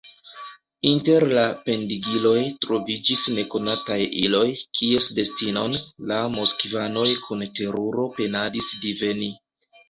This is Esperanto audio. Inter la pendigiloj troviĝis nekonataj iloj, kies destinon la moskvanoj kun teruro penadis diveni.